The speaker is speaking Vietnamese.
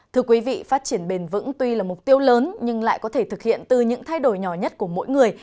thưa quý vị phát triển bền vững tuy là mục tiêu lớn nhưng lại có thể thực hiện từ những thay đổi nhỏ nhất của mỗi người